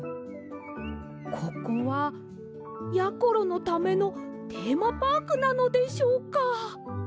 ここはやころのためのテーマパークなのでしょうか！